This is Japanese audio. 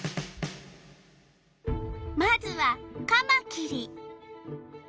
まずはカマキリ。